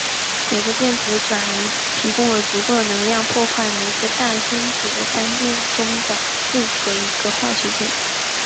每个电子的转移提供了足够的能量破坏每个氮分子的三键中的任一个化学键。